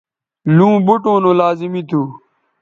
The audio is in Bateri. لوں بوٹوں نو لازمی تھو